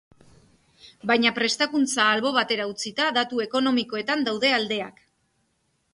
Baina prestakuntza albo batera utzita, datu ekonomikoetan daude aldeak.